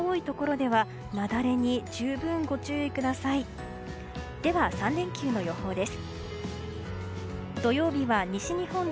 では、３連休の予報です。